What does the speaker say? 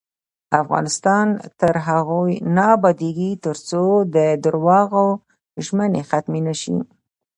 افغانستان تر هغو نه ابادیږي، ترڅو د درواغو ژمنې ختمې نشي.